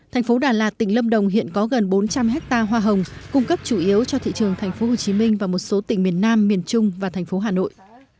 thành phố đà lạt tỉnh lâm đồng hiện có gần bốn trăm linh ha hoa hồng cung cấp chủ yếu cho thị trường thành phố hồ chí minh và một số tỉnh miền nam miền trung và thành phố hà nội